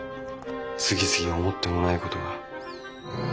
次々思ってもないことが。